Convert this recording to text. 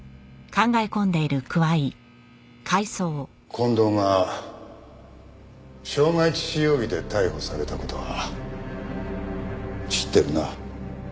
近藤が傷害致死容疑で逮捕された事は知ってるな？